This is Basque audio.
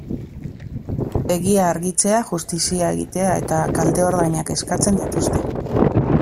Egia argitzea, justizia egitea eta kalte ordainak eskatzen dituzte.